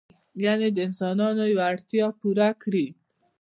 یعنې د انسانانو یوه اړتیا پوره کړي.